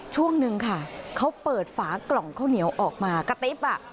ช่วงนึงค่ะเขาเปิดฝากล่องข้าวเหนียวออกมากระติ๊บอ่ะ